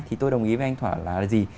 thì tôi đồng ý với anh thỏa là gì